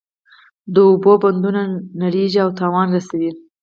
د اوبو بندونه نړیږي او تاوان رسوي.